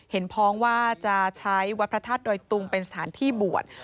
พ้องว่าจะใช้วัดพระธาตุดอยตุงเป็นสถานที่บวช